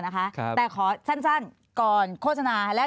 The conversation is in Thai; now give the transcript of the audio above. แต่ขอสั้นก่อนโฆษณา